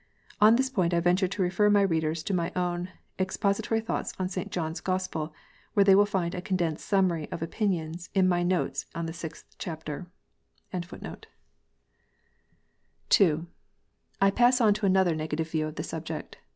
f On this point I venture to refer my readers to my own Expository Thow/hts on St John s Gospel, where they will find a condensed summary of opinions, in my notes on the sixth chapter. 168 KNOTS UNTIED. (2) I pass on to another negative view of the subject.